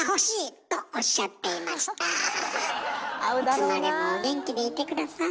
いつまでもお元気でいて下さい。